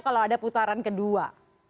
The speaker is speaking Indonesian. kalau ada putaran kedua